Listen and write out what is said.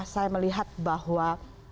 saya melihat bahwa